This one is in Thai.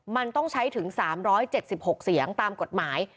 มันต้องใช้ถึง๓๗๖เสียงตามกฎหมาย